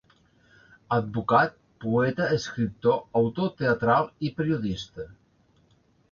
Advocat, poeta, escriptor, autor teatral i periodista.